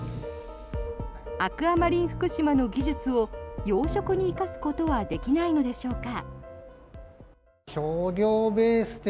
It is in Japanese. アクアマリンふくしまの技術を養殖に生かすことはできないのでしょうか。